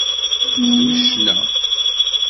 Bdu ccna.